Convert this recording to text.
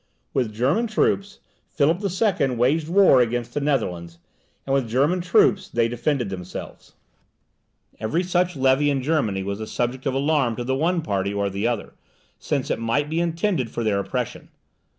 With German troops, Philip the Second waged war against the Netherlands, and with German troops they defended themselves. Every such levy in Germany was a subject of alarm to the one party or the other, since it might be intended for their oppression.